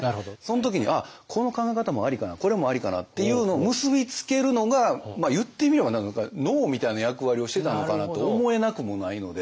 これもありかなっていうのを結び付けるのが言ってみれば脳みたいな役割をしてたのかなと思えなくもないので。